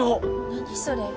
何それ？